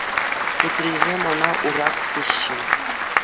Теприсем ӑна Урак теҫҫӗ.